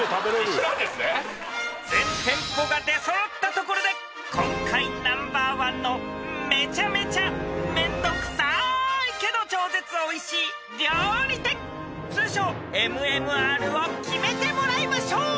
［全店舗が出揃ったところで今回ナンバーワンのめちゃめちゃめんどくさいけど超絶おいしい料理店通称ＭＭＲを決めてもらいましょう！］